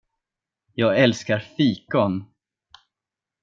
Jag älskar fikon!